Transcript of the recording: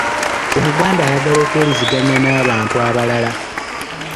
Omuganda ayagala okuwuliziganya n’abantu abalala.